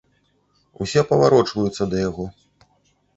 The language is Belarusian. Усе паварочваюцца да яго.